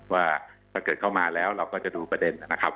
ว่าถ้าเกิดเข้ามาแล้วเราก็จะดูประเด็นนะครับ